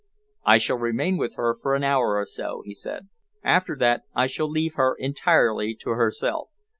"I shall remain with her for an hour or so," he said. "After that I shall leave her entirely to herself.